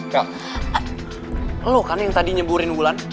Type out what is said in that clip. bel lo kan yang tadi nyeburin ulan